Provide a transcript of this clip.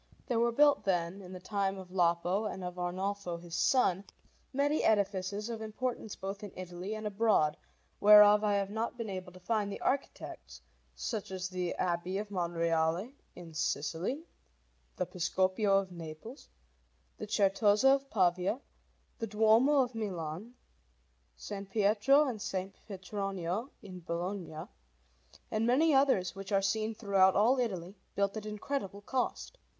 There were built, then, in the time of Lapo and of Arnolfo his son, many edifices of importance both in Italy and abroad, whereof I have not been able to find the architects, such as the Abbey of Monreale in Sicily, the Piscopio of Naples, the Certosa of Pavia, the Duomo of Milan, S. Pietro and S. Petronio in Bologna, and many others which are seen throughout all Italy, built at incredible cost.